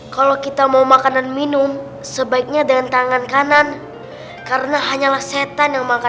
kalau kita mau makanan minum sebaiknya dengan tangan kanan karena hanyalah setan yang makan